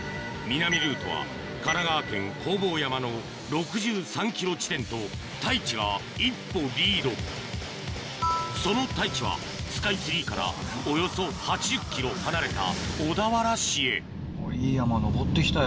南ルートは神奈川県弘法山の６３ｋｍ地点と太一が一歩リードその太一はスカイツリーからおよそ８０ｋｍ離れた小田原市へいい山登って来たよ